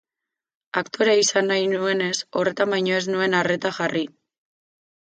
Aktorea izan nahi nuenez, horretan baino ez nuen arreta jarri.